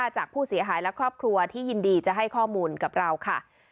จะให้ข้อมูลกับเราค่ะ